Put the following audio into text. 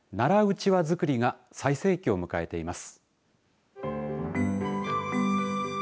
団扇作りが最盛期を迎えています。